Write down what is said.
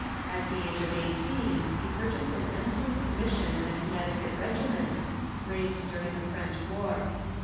At the age of eighteen he purchased an ensign's commission in a Connecticut regiment, raised during the French war.